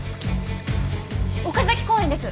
岡崎公園です。